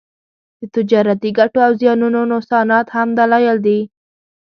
د تجارتي ګټو او زیانونو نوسانات هم دلایل دي